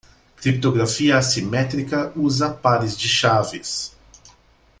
Criptografia assimétrica usa pares de chaves.